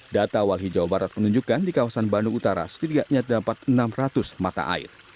data walhi jawa barat menunjukkan di kawasan bandung utara setidaknya terdapat enam ratus mata air